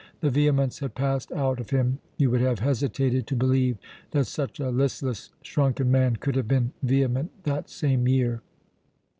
The vehemence had passed out of him; you would have hesitated to believe that such a listless, shrunken man could have been vehement that same year.